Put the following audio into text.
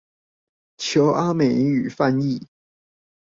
求阿美語翻譯